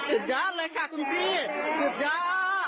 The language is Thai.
สุดยอดเลยค่ะคุณพี่สุดยอด